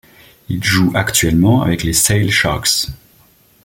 Il joue actuellement avec les Sale Sharks.